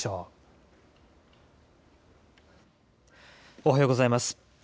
おはようございます。